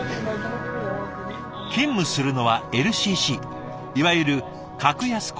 勤務するのはＬＣＣいわゆる格安航空会社。